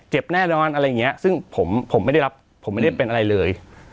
แน่นอนอะไรอย่างนี้ซึ่งผมไม่ได้รับผมไม่ได้เป็นอะไรเลย